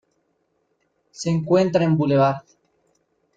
Se encuentra en Blvd.